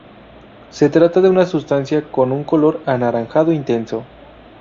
Se trata de una sustancia con un color anaranjado intenso.